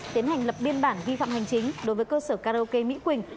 tiến hành lập biên bản vi phạm hành chính đối với cơ sở karaoke mỹ quỳnh